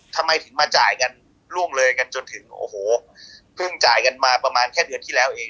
ทำไมมาจ่ายร่วมเลยจนถึงเพิ่งจ่ายมาก็แค่เดือนที่แล้วเอง